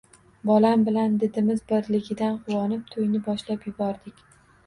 Bolam bilan didimiz birligidan quvonib to`yni boshlab yubordik